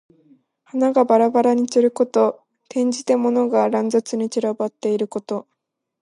花がばらばらに散ること。転じて、物が乱雑に散らばっていること。